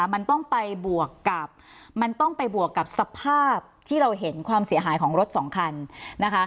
มันต้องไปบวกกับสภาพที่เราเห็นความเสียหายของรถสองคัน